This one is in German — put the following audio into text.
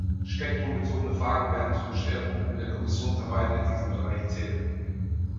Spektrumbezogene Fragen werden zu den Schwerpunkten der Kommissionsarbeit in diesem Bereich zählen.